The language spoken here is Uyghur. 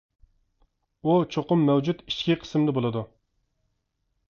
ئۇ چوقۇم مەۋجۇت ئىچكى قىسىمدا بولىدۇ.